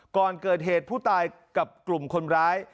ก่อนเกิดเหตุผู้ตายกับกลุ่มคนร้าย